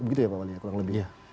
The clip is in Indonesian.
begitu ya pak wali ya kurang lebih